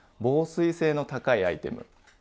防水性の高いアイテム